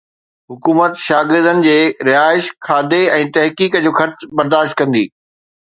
حڪومت شاگردن جي رهائش، کاڌي ۽ تحقيق جو خرچ برداشت ڪندي.